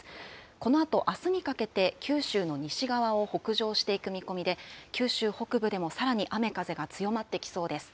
このあとあすにかけて、九州の西側を北上していく見込みで、九州北部でもさらに雨風が強まってきそうです。